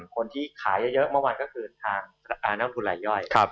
คนที่ขายเยอะเมื่อวานก็คือทางนักทุนลายย่อย